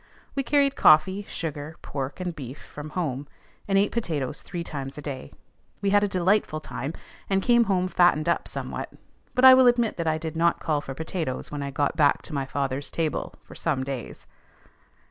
We carried coffee, sugar, pork, and beef from home, and ate potatoes three times a day. We had a delightful time, and came home fattened up somewhat; but I will admit that I did not call for potatoes when I got back to my father's table, for some days.